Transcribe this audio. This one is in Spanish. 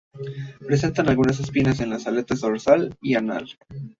Presentan algunas espinas en las aletas dorsal y anal.